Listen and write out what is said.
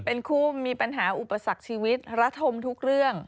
เป็นคู่มีปัญหาอุปสรรคชีวิตระธมทุกเรื่อง